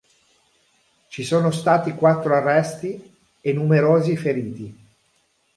Ci sono stati quattro arresti e numerosi feriti.